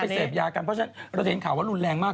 เสพยากันเพราะฉะนั้นเราจะเห็นข่าวว่ารุนแรงมาก